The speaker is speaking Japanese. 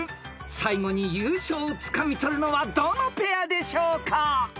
［最後に優勝をつかみ取るのはどのペアでしょうか？］